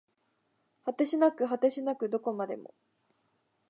果てしなく果てしなくどこまでも